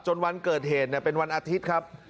วันเกิดเหตุเป็นวันอาทิตย์ครับ